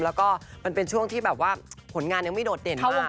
แล้วก็มันเป็นช่วงที่แบบว่าผลงานยังไม่โดดเด่นมาก